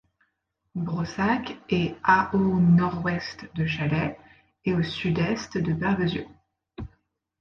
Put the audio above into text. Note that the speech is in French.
Brossac est à au nord-ouest de Chalais et au sud-est de Barbezieux.